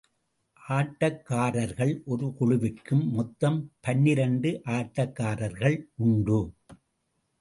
ஆட்டக்காரர்கள் ஒரு குழுவிற்கு மொத்தம் பனிரண்டு ஆட்டக்காரர்கள் உண்டு.